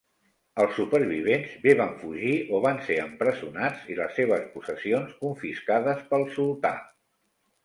Els supervivents bé van fugir o van ser empresonats i les seves possessions confiscades pel Sultà.